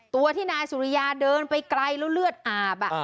ตัวที่นายสุริยาเดินไปไกลแล้วเลือดอาบ